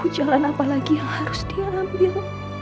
aku gak tahu jalan apa lagi yang harus diambil